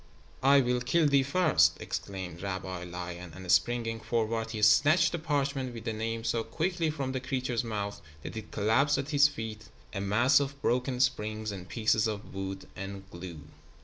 "I will kill thee first," exclaimed Rabbi Lion, and springing forward he snatched the parchment with the Name so quickly from the creature's mouth that it collapsed at his feet a mass of broken springs and pieces of wood and glue.